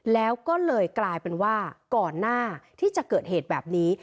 แล้วก็เลยกลายเป็นว่าก่อนหน้าที่จะเกิดเหตุแบบนี้